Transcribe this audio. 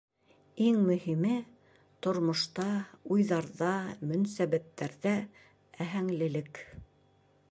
Иң мөһиме — тормошта, уйҙарҙа, мөнәсәбәттәрҙә аһәңлелек.